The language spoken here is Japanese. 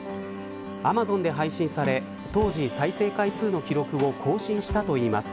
アマゾンで配信され当時、再生回数の記録を更新したといいます。